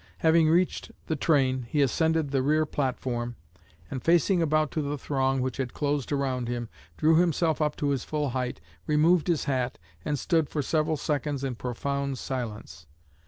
Having reached the train, he ascended the rear platform, and, facing about to the throng which had closed around him, drew himself up to his full height, removed his hat, and stood for several seconds in profound silence.